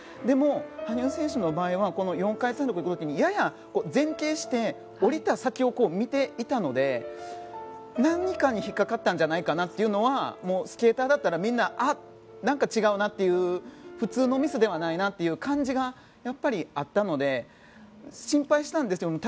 でも、羽生選手の場合は４回転の時にやや前傾して降りた先を見ていたので何かに引っかかったんじゃないかなというのはスケーターだったらみんな、あっ、何か違うなって普通のミスではないなという感じがあったので心配したんですよ。